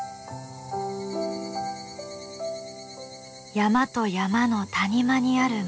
山と山の谷間にある村。